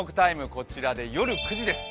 こちらで夜９時です。